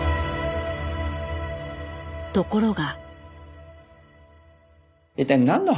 ところが。